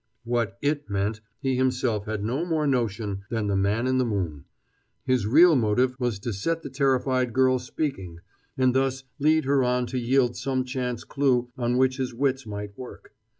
What "it" meant he himself had no more notion than the man in the moon. His real motive was to set the terrified girl speaking, and thus lead her on to yield some chance clew on which his wits might work.